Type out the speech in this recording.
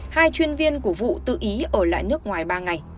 hai chuyên viên của vụ tự ý ở lại nước ngoài ba ngày